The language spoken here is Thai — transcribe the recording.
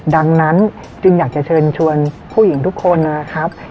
ดังนั้นจึงอยากจะเชิญชวนผู้หญิงทุกคนนะครับ